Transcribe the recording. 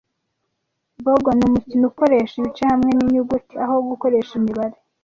Boggle ni umukino ukoresha ibice hamwe ninyuguti aho gukoresha imibare.